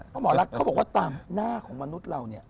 เพราะหมอรักเขาบอกว่าตามหน้าของมนุษย์เราเนี่ย